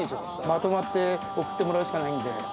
まとまって送ってもらうしかないんで。